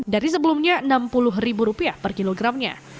dari sebelumnya enam puluh ribu rupiah per kilogramnya